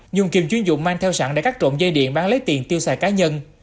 dùng kiềm chuyên dụng mang theo sẵn để cắt trộm dây điện bán lấy tiền tiêu xài cá nhân